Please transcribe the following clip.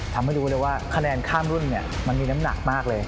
ทำให้รู้เลยว่าคะแนนข้ามรุ่นมันมีน้ำหนักมากเลย